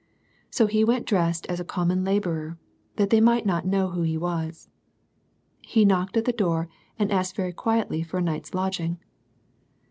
So he went dressed as a common labourer, that they might not know who he was. He knocked at the door, and asked very quietly for a night's lodging.